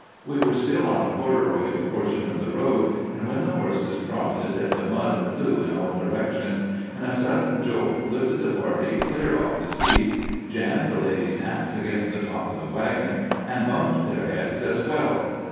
We were still on a corduroyed portion of the road, and when the horses trotted the mud flew in all directions, and a sudden jolt lifted the party clear off the seats, jammed the ladies' hats against the top of the wagon, and bumped their heads as well.